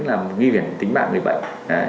là nguy hiểm tính mạng người bệnh